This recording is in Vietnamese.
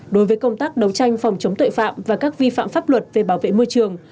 đối với công tác đấu tranh phòng chống tội phạm và các vi phạm pháp luật về bảo vệ môi trường